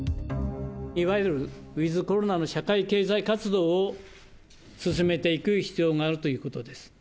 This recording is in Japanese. いわゆるウィズコロナの社会経済活動を進めていく必要があるということです。